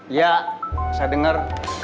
iya saya dengar